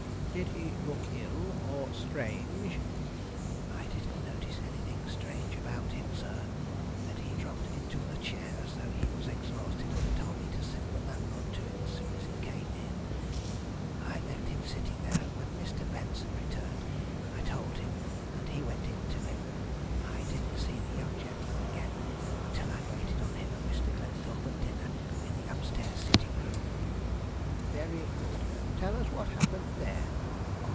"Did he look ill or strange?" "I didn't notice anything strange about him, sir, but he dropped into a chair as though he was exhausted, and told me to send the landlord to him as soon as he came in. I left him sitting there, and when Mr. Benson returned I told him, and he went in to him. I didn't see the young gentleman again until I waited on him and Mr. Glenthorpe at dinner in the upstairs sitting room." "Very good. Tell us what happened there."